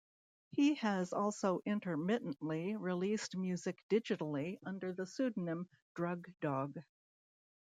He has also intermittently released music digitally under the pseudonym Drug Dog.